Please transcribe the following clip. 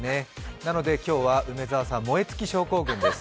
なので今日は梅澤さん燃え尽き症候群です。